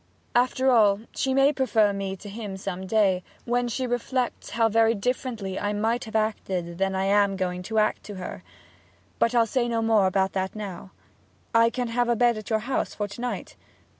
After all, she may prefer me to him some day, when she reflects how very differently I might have acted than I am going to act towards her. But I'll say no more about that now. I can have a bed at your house for to night?'